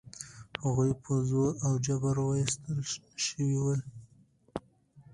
هغوی په زور او جبر ویستل شوي ول.